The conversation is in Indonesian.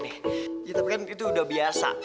nih tapi kan itu udah biasa